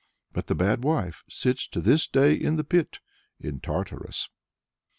But the Bad Wife sits to this day in the pit in Tartarus.